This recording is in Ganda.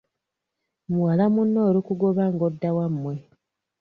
Muwala munno olukugoba ng’odda wammwe.